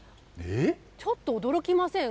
ちょっと驚きません？